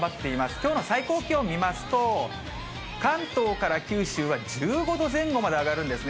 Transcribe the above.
きょうの最高気温見ますと、関東から九州は１５度前後まで上がるんですね。